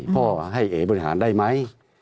พ่อให้เอ๋บริหารได้ไหม